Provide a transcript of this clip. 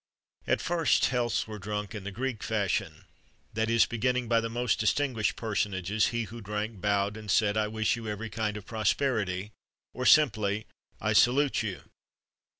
At first healths were drunk in the Greek fashion, that is, beginning by the most distinguished personages, he who drank bowed and said: "I wish you every kind of prosperity;" or simply: "I salute you."